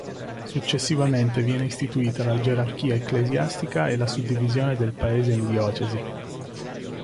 Successivamente viene istituita la gerarchia ecclesiastica e la suddivisione del Paese in diocesi.